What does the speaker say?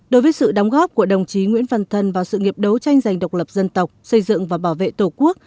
đối với sự đóng góp của đồng chí nguyễn văn thân vào sự nghiệp đấu tranh giành độc lập dân tộc xây dựng và bảo vệ tổ quốc